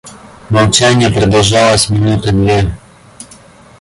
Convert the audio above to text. Молчание продолжалось минуты две.